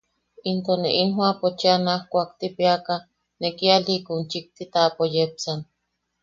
Into ne in joʼapo cheʼa naj kuaktipeaka, ne kialiʼikun ne chikti taʼapo yepsan.